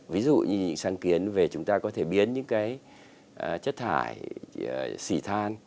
ví dụ như sáng kiến về chúng ta có thể biến những cái chất thải xỉ than